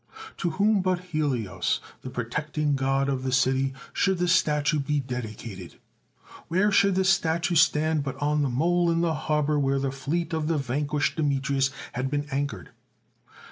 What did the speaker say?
To whom but Helios, the pro tecting god of the city, should the statue be dedi cated ? Where should the statue stand but on the mole in the harbour where the fleet of the van quished Demetrius had been anchored?